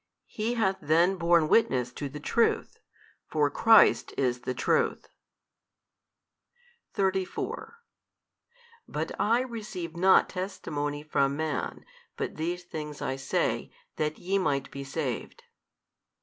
He hath then borne witness to the Truth, for Christ is the Truth. 34 But I receive not testimony from man, but these things I say, that YE might be saved.